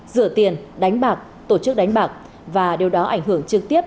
rửa tiền đánh bạc tổ chức đánh bạc và điều đó ảnh hưởng trực tiếp